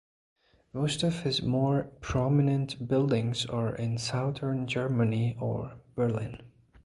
Most of his more prominent buildings are in southern Germany or Berlin.